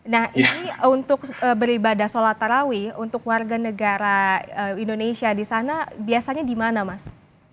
nah ini untuk beribadah sholat tarawih untuk warga negara indonesia di sana biasanya di mana mas